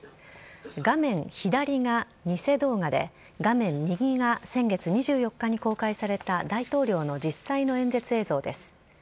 画面左が偽動画で画面右が先月２４日に公開された大統領の実際の演説映像です。